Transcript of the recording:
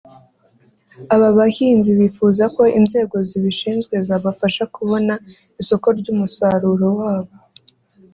Aba bahinzi bifuza ko inzego zibishinzwe zabafasha kubona isoko ry’umusaruro wabo